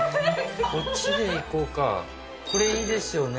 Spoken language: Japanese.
こっちで行こうかこれいいですよね。